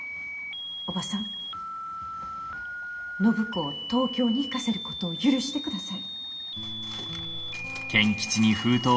おばさん暢子を東京に行かせることを許してください。